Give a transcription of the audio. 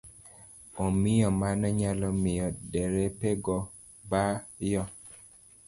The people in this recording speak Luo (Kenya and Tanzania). Omiyo mano nyalo miyo derepe go ba yo.